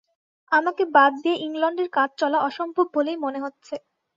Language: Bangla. আমাকে বাদ দিয়ে ইংলণ্ডের কাজ চলা অসম্ভব বলেই মনে হচ্ছে।